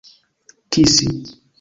kisi